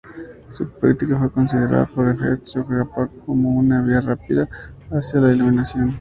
Su práctica fue considerada por Je Tsongkhapa como una vía rápida hacia la Iluminación.